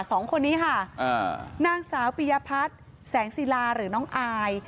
สองคนนี้ค่ะอ่านางสาวปียพัฒน์แสงศิลาหรือน้องอาย